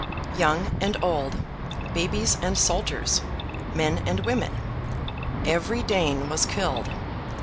Young and old, babies and soldiers, men and women, every Dane was killed.